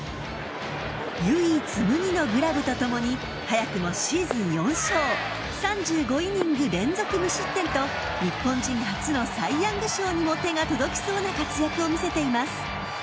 唯一無二のグラブと共に早くもシーズン４勝３５イニング連続無失点と日本人初のサイ・ヤング賞にも手が届きそうな活躍を見せています。